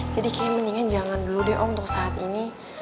jadi kayaknya mendingan jangan dulu deh om untuk saat ini